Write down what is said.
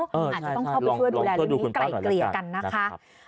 อาจจะต้องเข้าไปช่วยดูแลเรื่องนี้ไกลเกลี่ยกันนะคะ